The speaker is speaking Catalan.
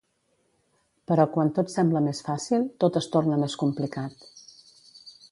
Però quan tot sembla més fàcil, tot es torna més complicat.